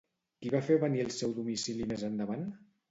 Qui va fer venir al seu domicili més endavant?